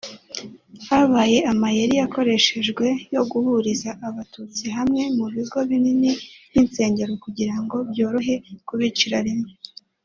Habaye amayeri yakoreshejwe yo guhuriza Abatutsi hamwe mu bigo binini nk’insengero kugira ngo byorohe kubicira rimwe